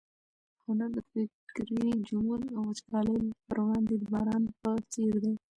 هنر د فکري جمود او وچکالۍ پر وړاندې د باران په څېر دی.